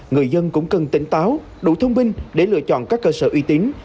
người dân cũng cần tỉnh táo đủ thông minh để lựa chọn các cơ sở uy tín